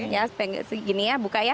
ya segini ya buka ya